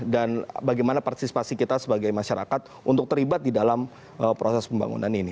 dan bagaimana partisipasi kita sebagai masyarakat untuk terlibat di dalam proses pembangunan ini